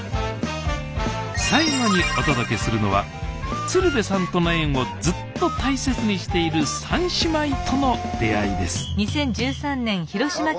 最後にお届けするのは鶴瓶さんとの縁をずっと大切にしている３姉妹との出会いです